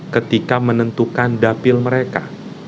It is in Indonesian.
ketika menentukan dapil mereka